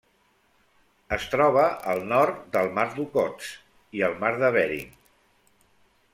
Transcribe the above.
Es troba al nord del mar d'Okhotsk i el mar de Bering.